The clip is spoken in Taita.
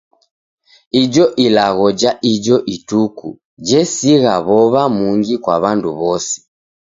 Ijo ilagho ja ijo ituku jesigha w'ow'a mungi kwa w'andu w'ose.